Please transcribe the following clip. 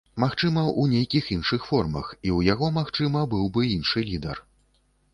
Магчыма, у нейкіх іншых формах, і ў яго, магчыма, быў бы іншы лідар.